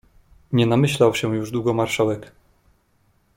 "Nie namyślał się już długo marszałek."